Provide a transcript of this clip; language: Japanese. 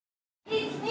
１２！